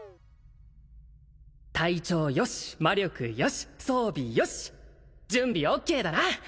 体調よし魔力よし装備よし準備オッケーだな！